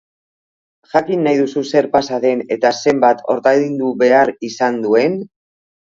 Jakin nahi duzu zer pasa den eta zenbat ordaindu behar izan duen?